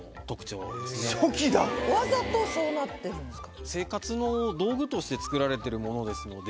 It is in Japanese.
わざとそうなってるんですか？